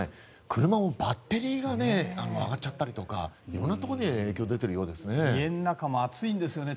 車もバッテリーが上がっちゃったりとか色んなところに家の中も暑いんですね。